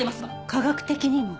科学的にも？